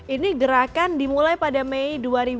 ini gerakan dimulai pada mei dua ribu dua puluh